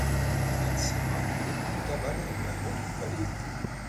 Azar lebt mittlerweile in Beirut und Berlin.